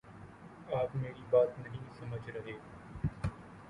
آپ میری بات نہیں سمجھ رہے